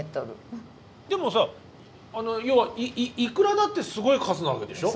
でもさ要はイクラだってすごい数なわけでしょ？